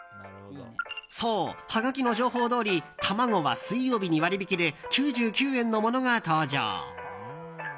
そう、はがきの情報どおり卵は水曜日のみ割引きで９９円のものが登場。